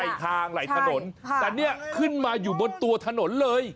ทางไหลถนนแต่เนี่ยขึ้นมาอยู่บนตัวถนนเลย